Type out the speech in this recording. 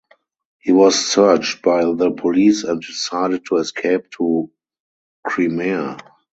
He was searched by the police and decided to escape to Crimea.